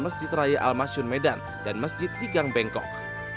masjid raya al masyun medan dan masjid digang bangkok